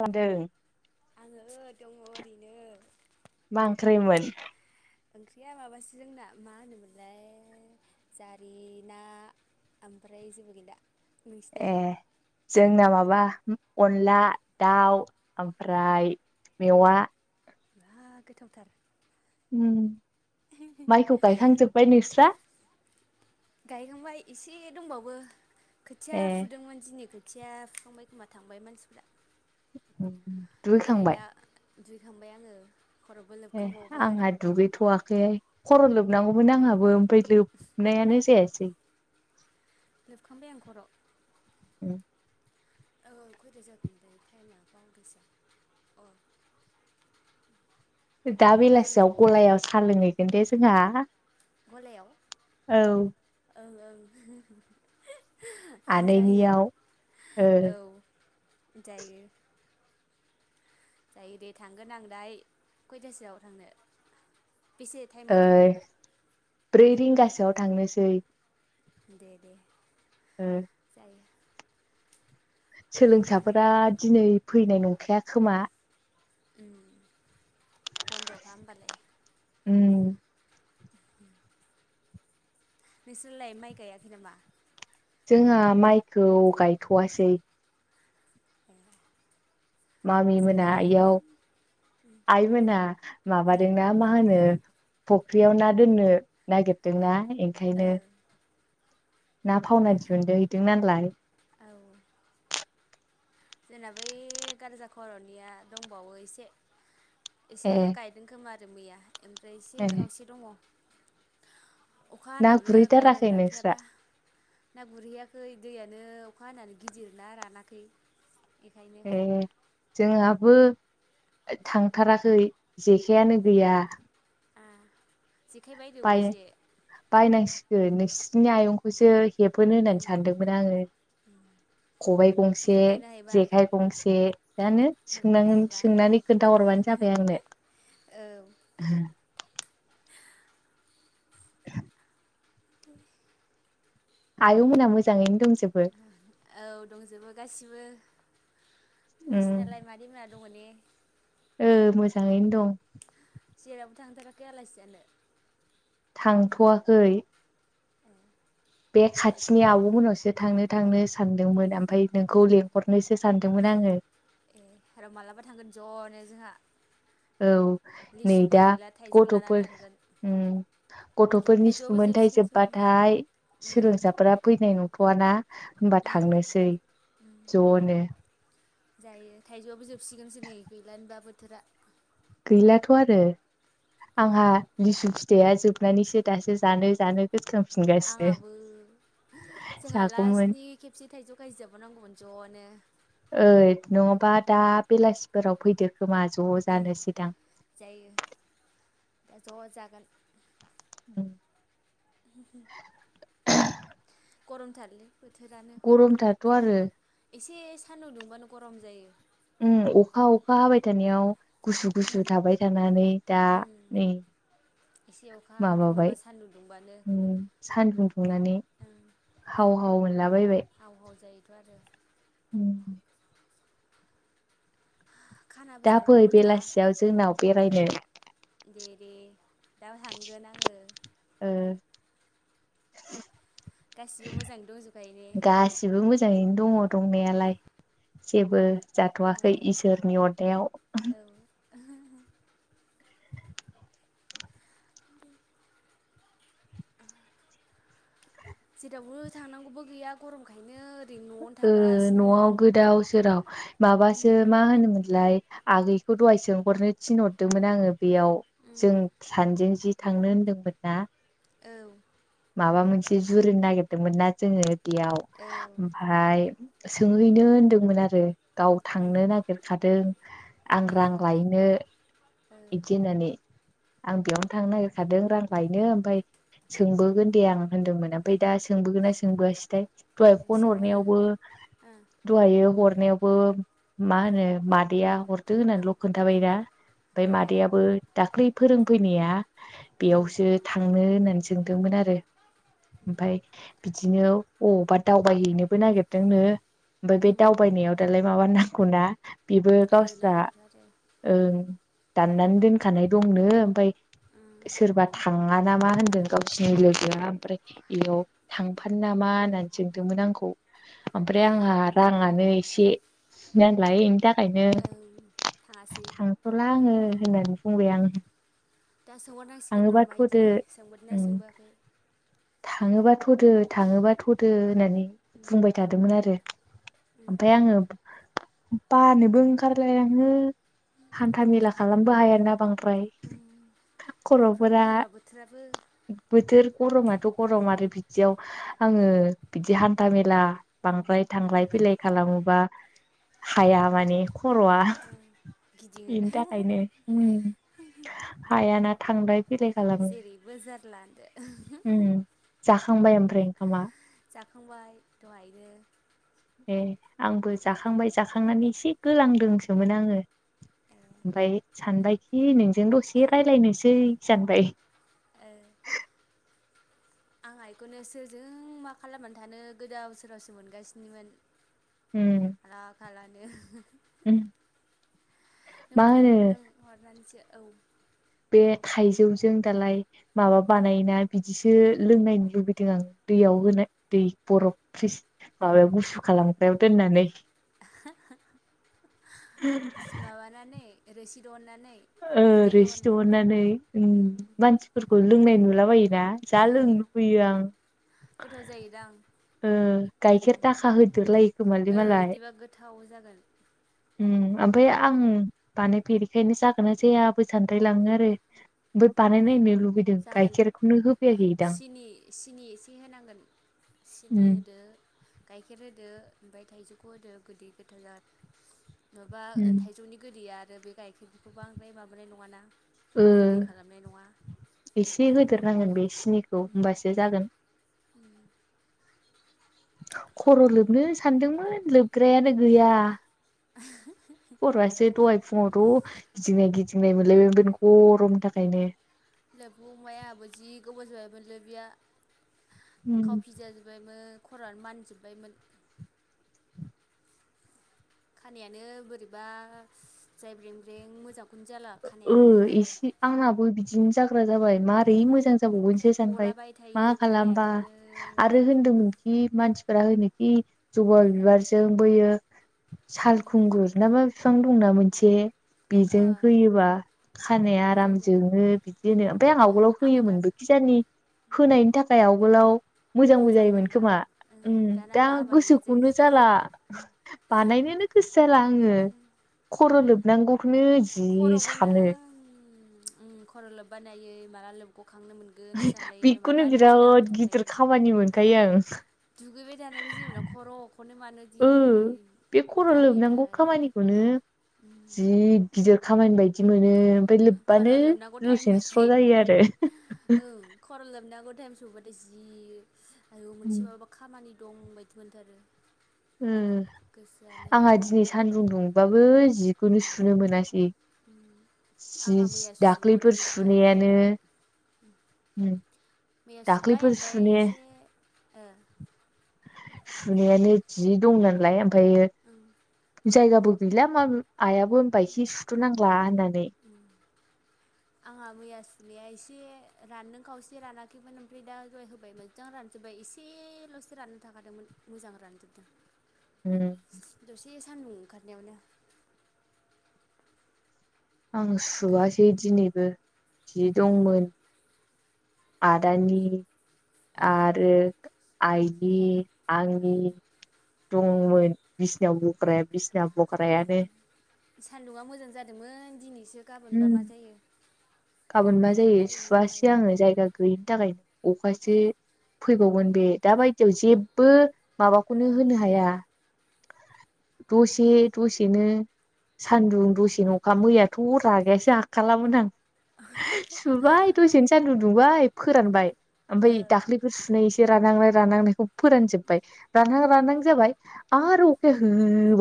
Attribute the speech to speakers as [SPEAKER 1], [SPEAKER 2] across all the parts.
[SPEAKER 1] खालामदों
[SPEAKER 2] आङो ओ दङ ओरैनो।
[SPEAKER 1] मा ओंख्रैयमोन?
[SPEAKER 2] ओंख्रिया माबासो जोंना मा होनोमोनलाय जारि ना। ओमफ्राय जेबो गैला।
[SPEAKER 1] ए
[SPEAKER 2] नोंसिनालाय
[SPEAKER 1] जोंना माबा बा अनला दाउ ओमफ्राय मेवा।
[SPEAKER 2] बा गोथावथार।
[SPEAKER 1] उम माइखौ गायखांजोब्बाय नोंस्रा?
[SPEAKER 2] गायखांबाय एसे दंबावो खोथिया
[SPEAKER 1] ए
[SPEAKER 2] फुदोंमोन दिनि खो खोथिया फुखांबायखोमा थांबाय मानसिफ्रा।
[SPEAKER 1] ओम
[SPEAKER 2] ओमफ्राय दा
[SPEAKER 1] दुगैखांबाय?
[SPEAKER 2] दुगैखांबाय आङो। खर'बो
[SPEAKER 1] ए
[SPEAKER 2] लोबखांबावबाय
[SPEAKER 1] आंहा दुगैथ'वाखैहाय खर' लोबनांगौमोन आंहाबो। बेलिब नायानो जायासै।
[SPEAKER 2] लोबखांबाय आं खर।
[SPEAKER 1] औ।
[SPEAKER 2] औ औ खयथा जाखो मोनथाय टाइमआ बावदोसो अ।
[SPEAKER 1] दा
[SPEAKER 2] देखायखादों आं
[SPEAKER 1] बेलासियाव
[SPEAKER 2] देखाय
[SPEAKER 1] गलायाव साहा लोंहैगोन दे जोंहा।
[SPEAKER 2] गलायाव
[SPEAKER 1] औ
[SPEAKER 2] औ औ।
[SPEAKER 1] आदैनियावहाय औ।
[SPEAKER 2] जायो। जायो दे थांगोन आं दाय खयथासोआव थांनो। बेसे
[SPEAKER 1] ओ
[SPEAKER 2] टाइमाव थांनो?
[SPEAKER 1] ब्रै रिंगासोआव थांनोसै।
[SPEAKER 2] दे दे।
[SPEAKER 1] [inaudible]
[SPEAKER 2] जायो
[SPEAKER 1] सोलोंसाफोरा दिनै फैनाय नंखाया खोमा?
[SPEAKER 2] बन्द'खा होमबालाय।
[SPEAKER 1] उम
[SPEAKER 2] [inaudible] नोंसोरलाय माइ गायाखै नामा?
[SPEAKER 1] जोंहा माइखौ गायथ'वसै
[SPEAKER 2] ए
[SPEAKER 1] मामि मोना आयाव आइमोना माबादोंना मा होनो? फुख्रियाव ना दोननो नागिरदोंनाा
[SPEAKER 2] ओ
[SPEAKER 1] ओंखायनो। ना फावना दिहुनदो हैदों नालाय।
[SPEAKER 2] औ जोंना बै गारजा खर'निया दंबावो एसे एसे
[SPEAKER 1] ए
[SPEAKER 2] गायदों खोमा आरो मैया ओमफ्राय एसे खावसे दङ। अखा
[SPEAKER 1] ना
[SPEAKER 2] हानायावनो
[SPEAKER 1] गुरहैथाराखै
[SPEAKER 2] गायनानै
[SPEAKER 1] नोंस्रा
[SPEAKER 2] लाखायाबा ना गुरहैयाखै दैयानो। अखा हानानै गिदिर ना रानाखै। बेखायनो
[SPEAKER 1] ए जोंहा बो थांथाराखै जेखायानो गैया।
[SPEAKER 2] आ जेखाइ बायदो
[SPEAKER 1] बाय
[SPEAKER 2] गंसे
[SPEAKER 1] बायनांसिगोन नोंसिनि आयंखौसो हेबो होननानै सानदोंमोन आङो। खबाइ गंसे
[SPEAKER 2] हेबगोन ना हेबा
[SPEAKER 1] जेखाइ गंसे दानो
[SPEAKER 2] हेबगोना
[SPEAKER 1] सोंोन
[SPEAKER 2] हेबा
[SPEAKER 1] सोंनानै खोन्थ हरबानो जाबाय आंनो।
[SPEAKER 2] औ [inaudible]
[SPEAKER 1] आयौ मोनहा मोजाङैनो दंसै
[SPEAKER 2] औ दंजोबो गाससिबो।
[SPEAKER 1] उम
[SPEAKER 2] सिनाला मारि मद होन
[SPEAKER 1] औ मोजाङैनो दं।
[SPEAKER 2] जेरावबो थांथाराखै आलासियानो।
[SPEAKER 1] थांथ'वाखै
[SPEAKER 2] ए
[SPEAKER 1] बे खाथिनि आब'मोनावसो थांनो थांनो सानदोंमोन ओमफ्राय नोंखौ लेंहरनोसो सानदों। दोंमोन आङो।
[SPEAKER 2] ए आरो माब्लाबा थांगोन ज'नो जोंहा।
[SPEAKER 1] औ नै
[SPEAKER 2] लिसुबो
[SPEAKER 1] दा
[SPEAKER 2] गैला थाइजौ लानानै
[SPEAKER 1] गथ'फोर
[SPEAKER 2] थांगोन
[SPEAKER 1] गथ'फोरनि सुब्द
[SPEAKER 2] थाइजौआबो
[SPEAKER 1] मोनथायाइ
[SPEAKER 2] जोबसिगोनसो आं
[SPEAKER 1] जोबबाथाय सोलोंसाफोरा फैनाय नुबा थ्थ'आाना होनबा थांनोसै ज'नो
[SPEAKER 2] जायो थाइजौआबो जोबसिगोनसो नै गैलानोबा बोथोरा।
[SPEAKER 1] गैलाथ' आरो। आंहा लिसु फिथाइया जोबनानैसो दासो जानो जानो गोसोखांफिनगासिनो
[SPEAKER 2] आंहाबो जोंहा
[SPEAKER 1] जागौमोन
[SPEAKER 2] लास्टनि खेबसे थाइजौ गायजोबोनांगौमोन ज' बिनो
[SPEAKER 1] ओइ नङाबा दा बेलासिफोराव फैदो खोमा ज' जानो सिगां।
[SPEAKER 2] द ज' जागोन।
[SPEAKER 1] औ
[SPEAKER 2] [inaudible] गरम थारलि
[SPEAKER 1] गरमथाथ' आरो।
[SPEAKER 2] एसे सान्दुं दुंबानो गरम जायो।
[SPEAKER 1] उम अखा अखा हाबाय थानायाव। गुसु गुसु थाबाय थानानै दा नै
[SPEAKER 2] एसे अखा माबा
[SPEAKER 1] माबाबाय
[SPEAKER 2] सान्दुं दुंबानो
[SPEAKER 1] सान्दुं दुंनानै हाव औला
[SPEAKER 2] हावहाव जायोथ' आरो।
[SPEAKER 1] उम
[SPEAKER 2] खानाबो
[SPEAKER 1] दा फै
[SPEAKER 2] जानांगौमोन जोंहा
[SPEAKER 1] बेलासियाव जोंनाव बेरायनो
[SPEAKER 2] दे दे दा थांगोन आङो
[SPEAKER 1] ओ
[SPEAKER 2] गासिबो मोजाङै दंजोबखायो ने?
[SPEAKER 1] गासिबो मोजाङैनो दङ दंनायालाय जेबो जाथ'वाखै इसोरनि अरदाव
[SPEAKER 2] औ जेरावबो थांनांगौबो गैया गरमखायनो ओरैनो न'आवनो
[SPEAKER 1] ओ
[SPEAKER 2] थागासिनो
[SPEAKER 1] न'आव गोदाव सोराव माबासो मा होनोमोनलाय आगैखौ दहाय सोंहरनो थिनहरदोंमोन आङो बेयाव जों सानजों जि थांनो होनदोंमोन ना
[SPEAKER 2] औ
[SPEAKER 1] माबा मोनसे जुरनो नागिरदोंमोन ना जोङो
[SPEAKER 2] औ
[SPEAKER 1] ओमफ्राय सोंहैनो होनदोंमोन आरो गाव थांनो नागिरखादों आं
[SPEAKER 2] ओ
[SPEAKER 1] रां लायनो
[SPEAKER 2] ओ
[SPEAKER 1] इदि होननानै आं बेयावनो थांनो नागिरखादों रां लायनो ओमफ्राय सोंबोगोन दे आं होनदोंमोन ओमफ्राय दा सोंबोगोनना सोंबोआसैथाय?
[SPEAKER 2] ओ
[SPEAKER 1] दहाय फन
[SPEAKER 2] सोंहर
[SPEAKER 1] हरनायावबो
[SPEAKER 2] ओ
[SPEAKER 1] दहाय हरनायावबो मा
[SPEAKER 2] ओ
[SPEAKER 1] होनो मादैया हरदो होननानैल' खोन्थाबाय दा ओमफ्राय
[SPEAKER 2] ओ
[SPEAKER 1] मादैयाबो दाख्लै फोरोंफैनाया
[SPEAKER 2] उम
[SPEAKER 1] बेयावसो थांनो होननानै सोंदोंमोन आरो ओमफाय बिदिनो बबावबा दावबायहैनोबो नागिरदोंनो ओमफाय बे
[SPEAKER 2] उम
[SPEAKER 1] दावबायनायाव दालाय माबा नांगौ ना बेबो
[SPEAKER 2] ओ
[SPEAKER 1] गावस्रा
[SPEAKER 2] नांगौथ' आरो
[SPEAKER 1] ओ दाननानै दोनखानाय दंनो ओमफाय सोरबा थाङा नामा होनदों गावसोरनि लोगोआ मफ्राय बेयाव थांफानो नामा होननानै सोंदोंमोन आंखौ आमफ्राय
[SPEAKER 2] ए
[SPEAKER 1] आंहा राङानो एसे होननानै लायोनि थाखाय
[SPEAKER 2] ओं
[SPEAKER 1] ओंखायनो
[SPEAKER 2] थाङासै
[SPEAKER 1] थांथ'ला आङो होननानै बुंबाय आं
[SPEAKER 2] दा सोंहरनांसिगोन
[SPEAKER 1] थाङोबा
[SPEAKER 2] र'
[SPEAKER 1] थ'दो
[SPEAKER 2] माइायदि सोंबोदोंना
[SPEAKER 1] उम
[SPEAKER 2] सोंबोआखै?
[SPEAKER 1] थाङोबा थदो थाङोबा थदो होननानै बुंबाय थादोंमोन आरो ओमफ्राय आङो बानोबो ओंखारलाय आङो हान्थामेला
[SPEAKER 2] गरमथार बेबा
[SPEAKER 1] खालामबो हाया ना बांद्राय
[SPEAKER 2] एफ्राव
[SPEAKER 1] खर'फोरा
[SPEAKER 2] गरमबा बोथोराबो
[SPEAKER 1] बोथोर गर माथ' राव मारै बिदियाव आङो बिदि हान्था मेला बांद्राय थांलाय फैलाय खालामोबा हाया माने खर'आ
[SPEAKER 2] गिदिङो
[SPEAKER 1] बेनि थाखायनो उम हायाना थांलाय फैलाय खालामो
[SPEAKER 2] जेरैबो जारला होनदो
[SPEAKER 1] आमफ्राय ओंखामा
[SPEAKER 2] जाखांबाय दहायनो
[SPEAKER 1] ए आंबो जाखांबाय जाखांनानै एसे गोलांदोंसोमोन आङो
[SPEAKER 2] ओं
[SPEAKER 1] ओमफाय सानबायखि नोंजों दसे रायज्लायनोसै सानबाय
[SPEAKER 2] ए आं आइखौनो सोरजों मा खालामनानै थानो गोदाव सोरावसो मोनगासिनोमोन
[SPEAKER 1] उम
[SPEAKER 2] आला खाला नो
[SPEAKER 1] उम
[SPEAKER 2] नों
[SPEAKER 1] मा
[SPEAKER 2] फन
[SPEAKER 1] होनो
[SPEAKER 2] नों हरनानैसो औ
[SPEAKER 1] बे थाइजौजों दालाय माबा बानायोना बिदि बिदिसो लोंनायनो लुबैदों आं दैयाव होनाय दै बरफ फ्रिस माबायाव गुसु खालामगोन दोनानै
[SPEAKER 2] मा बानानै रोसि दहननानै
[SPEAKER 1] ओ
[SPEAKER 2] बिदै
[SPEAKER 1] ओरै सिथ
[SPEAKER 2] दहननानै
[SPEAKER 1] दोहोनानै ओ
[SPEAKER 2] औ
[SPEAKER 1] मानसिफोरखौ लोंनाय नुलाबायो दा जा
[SPEAKER 2] ओ
[SPEAKER 1] लोंनो लुबैयो आं।
[SPEAKER 2] गोथाव जायोदां
[SPEAKER 1] ओ गायखेर दाखा होदेरलायो खोमालै
[SPEAKER 2] ओ
[SPEAKER 1] मालाय
[SPEAKER 2] इदिबा गोथाव जागोन
[SPEAKER 1] उम ओमफाय आं बानायफेरिखायनो जागोन ना जाया बो सानद्राय लाङो आरो बो बानायनायनो लुब
[SPEAKER 2] जागोन सिनि सिनि एसे होनांगोन सि
[SPEAKER 1] उम
[SPEAKER 2] गाइखेर होदो ओमफाय थाइजौखौ होदो गोदै गोथाव जागोन। नबा ओ थाइजौनि गोदैया आरो बे गाइखेरखौ बांद्राय माबानाय नङाना
[SPEAKER 1] ओ
[SPEAKER 2] गोदै खालामनाय नङा।
[SPEAKER 1] एसे
[SPEAKER 2] ओंखायनो
[SPEAKER 1] होदेरनांगोन बे सिनिखौ होमबासो जागोन। खर' लोबनो सानदोंमोन लोबग्रायानो गैया।
[SPEAKER 2] [inaudible]
[SPEAKER 1] खर'आसो दहाय फुङावथ' गिदिंनाय गिदिंनाय मोनलायबाय बे गरमनि थाखायनो
[SPEAKER 2] लोबगबाय आंहाबो जि गोबाव जाबाय मोन लोबिया।
[SPEAKER 1] उम
[SPEAKER 2] खावफि जाजोबायमोन खरानो मानजोबायमोन। खानायानो बोरैबा जायब्रें ब्रें मोजां
[SPEAKER 1] ओ ओ एसे आंनाबो बिदिनो जाग ग्रा जाबाय मारै
[SPEAKER 2] उम
[SPEAKER 1] मोजां जाबावोनसो सानबाय
[SPEAKER 2] गलाबाय
[SPEAKER 1] मा
[SPEAKER 2] थायो
[SPEAKER 1] खालामबा
[SPEAKER 2] खानायानो
[SPEAKER 1] आरो होनदोंमोनखि नि मानस फोरा होनोखि जबा बिबारजों बोयो
[SPEAKER 2] ओं
[SPEAKER 1] सालखुंगुरस ना मास फिफां दंना मोनसे
[SPEAKER 2] ओ
[SPEAKER 1] बेजों होयोबा खानाया आराम
[SPEAKER 2] मोजां जायो
[SPEAKER 1] जोङो बिदि होनो ओमफाय आं आवगोलाव
[SPEAKER 2] आंबो दा
[SPEAKER 1] होयोमोनबो खिजानि होनायनि थाखाय आव मोजांबो
[SPEAKER 2] मोजां
[SPEAKER 1] जायोमोन
[SPEAKER 2] मोनदां
[SPEAKER 1] खोमा
[SPEAKER 2] ओं
[SPEAKER 1] उम
[SPEAKER 2] दाना
[SPEAKER 1] दा
[SPEAKER 2] बाबायना जों
[SPEAKER 1] गोसोखौनो जाला बानायनोनो गोसो जाला आङो खर' लोबनांगौखौनो
[SPEAKER 2] ओ
[SPEAKER 1] जि
[SPEAKER 2] खर'खौनो
[SPEAKER 1] सानो
[SPEAKER 2] उम उम खर' लोब्बा नायै माला लोब
[SPEAKER 1] बेखौनो
[SPEAKER 2] दिनाव
[SPEAKER 1] बिराद गिदिर
[SPEAKER 2] सानलायो
[SPEAKER 1] खामानि मोनखायो आं
[SPEAKER 2] दुगैबाय थानायखौ जेबोला खर'खौनो मानो
[SPEAKER 1] ओ
[SPEAKER 2] दि
[SPEAKER 1] बे खर' लोबनांगौ
[SPEAKER 2] बायोथाय
[SPEAKER 1] खामानिखौनो जि गिदिर खामानि बायदि मोनो। ओमफाय
[SPEAKER 2] खर'
[SPEAKER 1] लोब्बानो
[SPEAKER 2] लोबनांगौ
[SPEAKER 1] दसेनो स्र'
[SPEAKER 2] टाइमबाथाय
[SPEAKER 1] जायो आरो
[SPEAKER 2] ओं खर' लोबनांगौ टाइम सबाथाय जिस आयु मोनसे माबाबा खामानि दं बायदि मोनथारो।
[SPEAKER 1] ओ
[SPEAKER 2] गोसोआनो
[SPEAKER 1] आंहा दिनै सान्दुं दुंबाबो जिखौनो सुनो मोनासै।
[SPEAKER 2] आंहा
[SPEAKER 1] जिस
[SPEAKER 2] मैया सुग'दों
[SPEAKER 1] दाख्लैफोर
[SPEAKER 2] ओमफ्राय
[SPEAKER 1] सुनायानो
[SPEAKER 2] मैया सुबाय
[SPEAKER 1] दाख्लैफोर
[SPEAKER 2] ओमफाय
[SPEAKER 1] सुने
[SPEAKER 2] एसे ओ
[SPEAKER 1] सुनायानो जि दं नालाय ओमफायो जायगाबो गैला माबो आइयाबो होनबाय सि सुथ' नांला होननानै
[SPEAKER 2] बिमाया एसे ओ रानदों खावसे रानाखैमोन ओमफ्राय दा जय होबाय मोजां रानजोब्बाय एसेल' दसे राननो थाखादोंमोन मोजां रानजोबदों। दसे सानदुं ओंखारनायावनो
[SPEAKER 1] आं
[SPEAKER 2] गो
[SPEAKER 1] सुवासै दिनैबो जि
[SPEAKER 2] आ
[SPEAKER 1] दंमोन। आदानि
[SPEAKER 2] औ
[SPEAKER 1] आरो आइनि आंनि दंमोन बिसनायाव बग्राया बिसना बग्रायानो
[SPEAKER 2] सान्दुंआ मोजां जादोंमोन दिनै
[SPEAKER 1] उम गाबोन मा
[SPEAKER 2] अखा
[SPEAKER 1] जायो
[SPEAKER 2] हायो ना
[SPEAKER 1] सुवासै
[SPEAKER 2] मायो
[SPEAKER 1] आङो जायगा गैयिनि थाखायनो अखासो फैबावगोन बे दाबायदियाव जेबो
[SPEAKER 2] ओ
[SPEAKER 1] माबाखौनो होनो हाया दसे दसेनो सान्दुं दसे न‌ अखा मैयाथ' हर रागायासो आखालामोन आं सुबाय दसेनो सानदुं दुंबाय फोरानबाय।
[SPEAKER 2] ओ
[SPEAKER 1] अमफ्राय दाख्लैबो सुनै एसे रानहांनाय रानहांनायखौ फोरानजोबबाय रानहां रानहां जाबाय आरो अखाया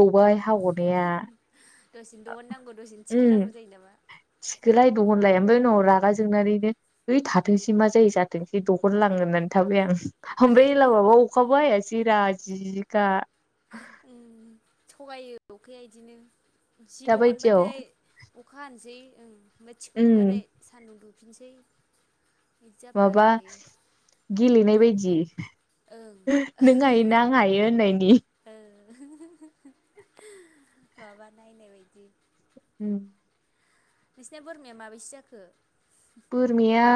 [SPEAKER 1] होबाव हागनाया
[SPEAKER 2] दसेनो दहन नांगौ दसेनो थिखो नांगौ जायो नामा?
[SPEAKER 1] दहन लाया ओमफ्राय उनाव रागा जोंनानैनो हैै थाथोंसै मा जायो जाथ स दखनलाङो होननानै थाबाय आं ओमफ्राय एलाबाबा अखाबो [unintelligible]
[SPEAKER 2] औ थगायो अखाया इदिनो। जि
[SPEAKER 1] दाबायदियाव
[SPEAKER 2] दहोननबाथाय अखा हानोसै
[SPEAKER 1] उम
[SPEAKER 2] बोथिखोबाथाय सान्दुं दुफिनसै
[SPEAKER 1] माबा गेलेनाय बायदि
[SPEAKER 2] ओं
[SPEAKER 1] नों हायोना आं हायो होननायनि
[SPEAKER 2] हो हो हो बाबा ना नायनायबायदि
[SPEAKER 1] उम।
[SPEAKER 2] नोंसिना बोरमाया माबेसे जाखो?
[SPEAKER 1] बोरमाया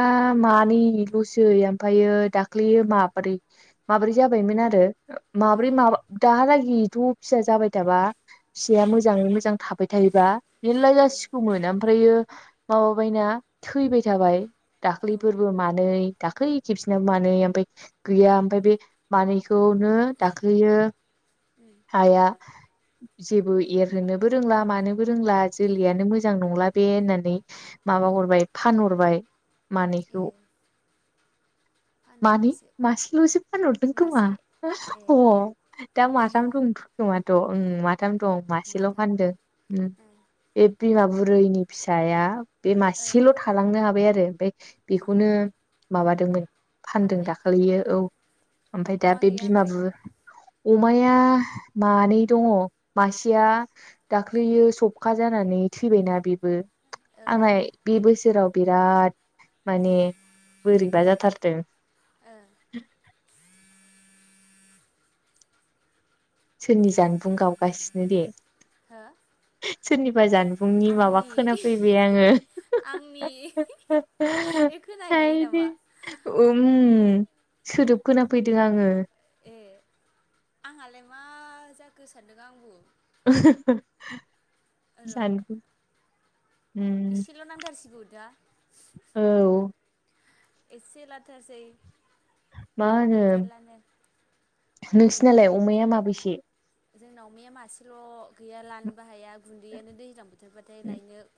[SPEAKER 1] मानैल'सै ओमफ्रायायो दाख्लैयो माबोरै माबोरै जाबायमोन आरो
[SPEAKER 2] आ
[SPEAKER 1] माब्रै माबा दालागिथ' फिसा जाबाय थाबा फिसाया
[SPEAKER 2] आ
[SPEAKER 1] मोजाङै मोजां थाबाय थायबा मेरला
[SPEAKER 2] ओं
[SPEAKER 1] जासिगौमोन ओमफ्रायो माबाबायना थैबाय थाबाय
[SPEAKER 2] औ
[SPEAKER 1] दाख्लिफोरबो मानै दाख्लै खेबसेना मानै ओमफफ्राय गैया ओमफफ्राय बे मानै खौनो दाख्लोयो
[SPEAKER 2] उम
[SPEAKER 1] हाया जेबो एरहोननोबो रोंला मानोबो रोंला
[SPEAKER 2] उम
[SPEAKER 1] जोलैयानो मोजां नंला बे होननानै माबा
[SPEAKER 2] उम
[SPEAKER 1] हरबाय हरबाय मानैखौ।
[SPEAKER 2] ए
[SPEAKER 1] मानै
[SPEAKER 2] फानहरबायसो
[SPEAKER 1] मासेल'सो फानहरदों खोमा?
[SPEAKER 2] मासे ए
[SPEAKER 1] अ दा माथाम दं। ख नंआथ' उम माथाम दं मासेल'
[SPEAKER 2] माथाम दं
[SPEAKER 1] फानदों उम
[SPEAKER 2] ओ
[SPEAKER 1] बिमा बुर बैनि फिसाया बे
[SPEAKER 2] औ
[SPEAKER 1] मासेल' थालांनो हाबाय आरो ओमफ्राय बेखौनो माबा फानदों
[SPEAKER 2] फानबाय
[SPEAKER 1] दाखालियो औ ओमफ्राय दा
[SPEAKER 2] अमा
[SPEAKER 1] बे
[SPEAKER 2] गैया ओमफाय
[SPEAKER 1] बिमाबो बुर अमाया मानै दङ मासेया दाख्लैयो सबखा जानानै थैबायना बेबो
[SPEAKER 2] ओ
[SPEAKER 1] आंहा बोसोराव बिराद माने बोरैबा जाथारदों।
[SPEAKER 2] ओ
[SPEAKER 1] [inaudible] सोरनि जानबुं गावगासिनो दे?
[SPEAKER 2] हो?
[SPEAKER 1] सोरनिबा जानबुंनि माबा
[SPEAKER 2] आंनि
[SPEAKER 1] खोनाफैबाय आङो।
[SPEAKER 2] एखोनाहैलायो नामा?
[SPEAKER 1] ओम सोदोब खोना फैदों आङो।
[SPEAKER 2] ए आंहालाय मा जाखो सानदों आंबो
[SPEAKER 1] [inaudible] उम
[SPEAKER 2] इसेल' नांथारसिगौ दा?
[SPEAKER 1] औ
[SPEAKER 2] एसे लाथारसै
[SPEAKER 1] मा होनो
[SPEAKER 2] गैथारलानो।
[SPEAKER 1] नोंसिनालाय अमाया माबेसे?
[SPEAKER 2] जोंनाव अमाया मासेल' गैया लानोबो हाया गुन्दैयानो दैज्लां बोथोरबाथाय लायनो